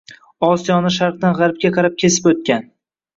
Osiyoni sharqdan gʻarbga qarab kesib oʻtgan.